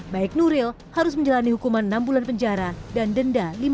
baik nuril harus menjalani hukuman enam bulan penjara dan denda lima ratus juta rupiah